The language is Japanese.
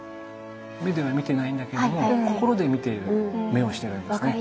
目では見てないんだけれども心で見ている目をしてるんですね。